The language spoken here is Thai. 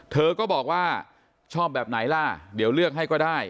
เธอก็บอกว่าชอบแบบไหนล่ะเดี๋ยวเลือกให้ก็ได้